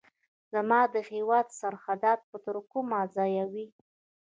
زما د هیواد سرحدات به تر کومه ځایه وي.